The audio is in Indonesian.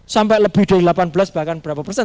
sampai lebih dari delapan belas bahkan berapa persen